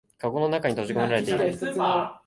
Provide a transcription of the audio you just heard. かごの中に閉じこめられてる